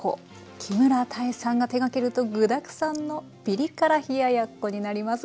木村多江さんが手がけると具だくさんのピリ辛冷ややっこになります。